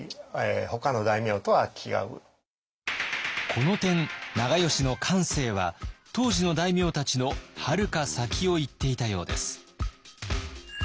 この点長慶の感性は当時の大名たちのはるか先をいっていたようです。